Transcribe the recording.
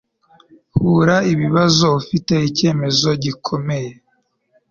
hura ibibazo ufite icyemezo gikomeye